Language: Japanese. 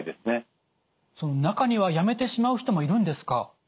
中にはやめてしまう人もいるんですか？